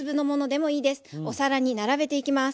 お皿に並べていきます。